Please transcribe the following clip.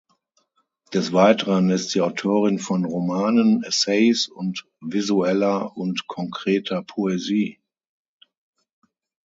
Des Weiteren ist sie Autorin von Romanen, Essays und visueller und konkreter Poesie.